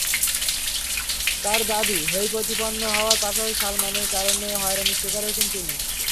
তাঁর দাবি, হেয়প্রতিপন্ন হওয়ার পাশাপাশি সালমানের কারণে হয়রানির শিকার হয়েছেন তিনি।